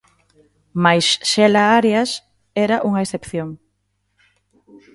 Mais Xela Arias era unha excepción.